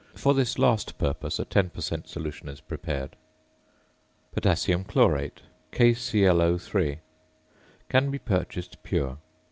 For this last purpose a 10 per cent. solution is prepared. ~Potassium Chlorate~ (KClO_) can be purchased pure.